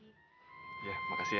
iya makasih ya